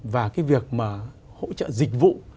và cái việc mà hỗ trợ dịch vụ